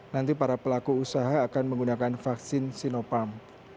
nanti para pelaku usaha akan menggunakan vaksin sinopam